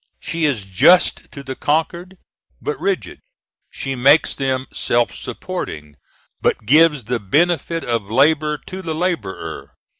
She is just to the conquered, but rigid. She makes them self supporting, but gives the benefit of labor to the laborer.